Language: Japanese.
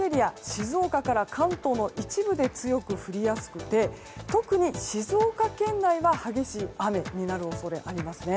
静岡から関東の一部で強く降りやすくて特に、静岡県内は激しい雨になる恐れがあります。